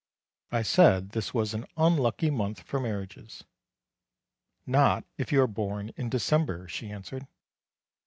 I said this was an unlucky month for marriages. "Not if you are born in December," she answered.